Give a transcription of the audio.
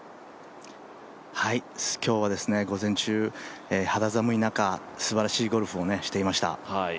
今日は午前中、肌寒い中すばらしいゴルフをしていました。